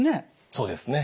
そうですね。